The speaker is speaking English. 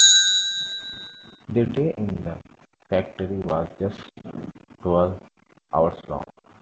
The day in the factory was just twelve hours long.